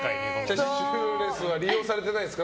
キャッシュレスは利用されてないですか？